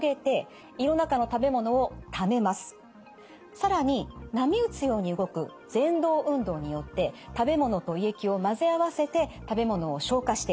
更に波打つように動くぜん動運動によって食べ物と胃液を混ぜ合わせて食べ物を消化してかゆ状にします。